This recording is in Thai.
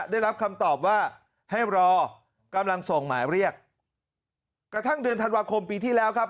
ได้รับคำตอบว่าให้รอกำลังส่งหมายเรียกกระทั่งเดือนธันวาคมปีที่แล้วครับ